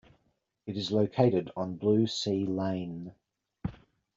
It is located on Blue Sea Lane.